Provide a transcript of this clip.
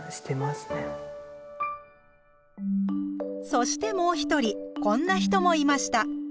そしてもう一人こんな人もいました。